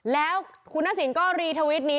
แล้วคุณทักษิณก็รีทวิตนี้